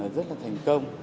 rất là thành công